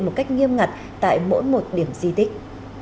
một cách nghiêm ngặt tại mỗi một điểm di tích